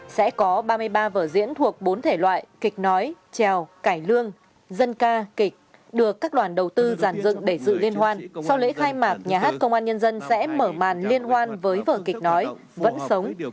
sẽ có ba mươi ba vở diễn thuộc bốn thể loại kịch nói trèo cải lương dân ca kịch được các đoàn đầu tư giàn dựng để dự liên hoan sau lễ khai mạc nhà hát công an nhân dân sẽ mở màn liên hoan với vở kịch nói vẫn sống